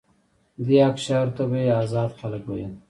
دې اقشارو ته به یې آزاد خلک ویل.